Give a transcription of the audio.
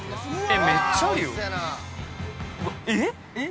◆めっちゃあるよ。